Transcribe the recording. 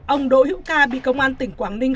ông đỗ hữu ca bị công an tỉnh quảng ninh